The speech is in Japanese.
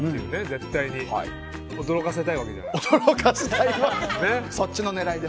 絶対に驚かせたいわけじゃない。